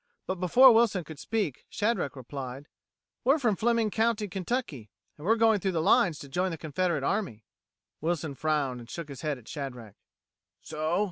But, before Wilson could speak, Shadrack replied: "We're from Fleming County, Kentucky, and we're going through the lines to join the Confederate army." Wilson frowned and shook his head at Shadrack. "So?"